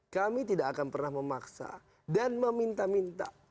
kami tidak akan pernah memaksa dan meminta minta